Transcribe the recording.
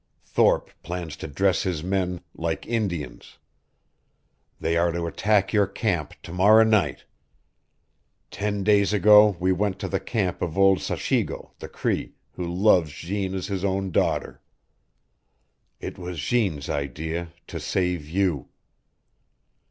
Thorpe plans to dress his men like Indians. They are to attack your camp to morrow night. Ten days ago we went to the camp of old Sachigo, the Cree, who loves Jeanne as his own daughter. It was Jeanne's idea to save you.